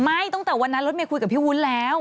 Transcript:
ตั้งแต่วันนั้นรถเมย์คุยกับพี่วุ้นแล้ว